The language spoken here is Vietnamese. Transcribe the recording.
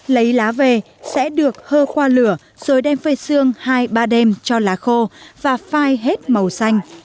lấy lá về sẽ được hơ khoa lửa rồi đem phơi xương hai ba đêm cho lá khô và phai hết màu xanh